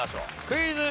クイズ。